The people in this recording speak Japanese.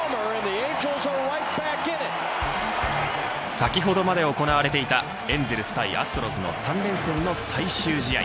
先ほどまで行われていたエンゼルス対アストロズの３連戦の最終試合。